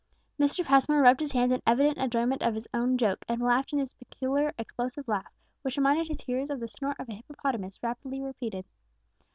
Mr. Passmore rubbed his hands in evident enjoyment of his own joke, and laughed his peculiar, explosive laugh, which reminded his hearers of the snort of a hippopotamus rapidly repeated.